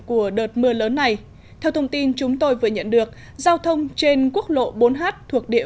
của đợt mưa lớn này theo thông tin chúng tôi vừa nhận được giao thông trên quốc lộ bốn h thuộc địa